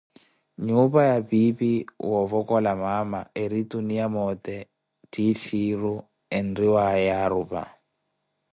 Nyuupa ya piipi woovokola maama eri tuniya moote ttiitthiiru enitthiwaye Yaarupa.